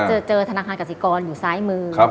เจอธนาคารกสิกรอยู่ซ้ายมือ